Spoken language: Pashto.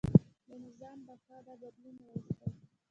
د نظام بقا دا بدلون راوستی.